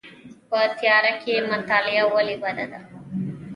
په تیاره کې مطالعه ولې بده ده؟